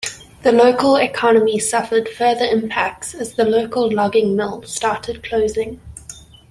The local economy suffered further impacts as the local logging mills started closing.